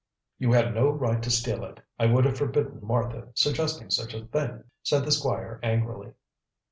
"You had no right to steal it. I would have forbidden Martha suggesting such a thing," said the Squire angrily.